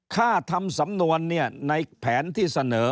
ค่าทำสำนวนเนี่ยในแผนที่เสนอ